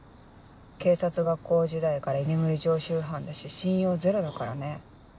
警察学校時代から居眠り常習犯だし信用ゼロだからね。